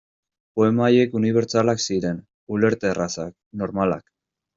Poema haiek unibertsalak ziren, ulerterrazak, normalak.